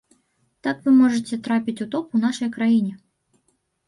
Так вы можаце трапіць у топ у нашай краіне.